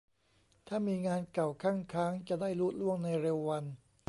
ถ้ามีงานเก่าคั่งค้างจะได้ลุล่วงในเร็ววัน